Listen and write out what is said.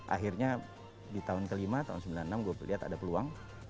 akhirnya di tahun kelima tahun sembilan puluh enam gue lihat ada peluang